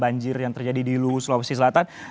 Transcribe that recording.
dan itu sudah terjadi di seluruh sulawesi selatan